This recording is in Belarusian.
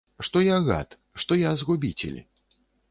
Што я гад, што я згубіцель.